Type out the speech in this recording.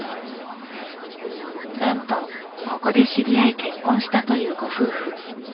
なんとここで知り合い結婚したというご夫婦。